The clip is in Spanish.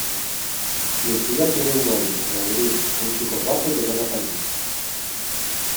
Lucía tiene un novio, Rodrigo, un chico guapo y de buena familia.